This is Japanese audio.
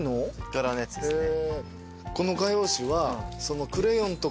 柄のやつですね。